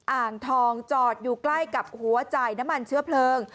อ่างทองจอดอยู่ใกล้กับหัวจ่ายน้ำมันเชื้อเพลิง